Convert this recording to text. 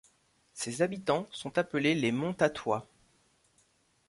Ses habitants sont appelés les Montatois.